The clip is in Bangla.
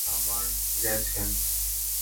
উনি আমার গেছেন!